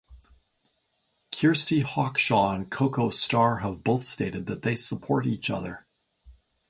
Kirsty Hawkshaw and Coco Star have both stated that they support each other.